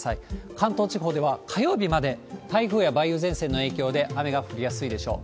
関東地方では、火曜日まで台風や梅雨前線の影響で雨が降りやすいでしょう。